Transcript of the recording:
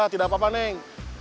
tidak apa apa neng